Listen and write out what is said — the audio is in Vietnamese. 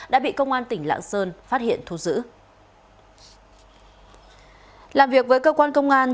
đã bị công an tỉnh lạng sơn phát triển